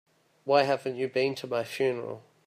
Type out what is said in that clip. Why haven't you been to my funeral?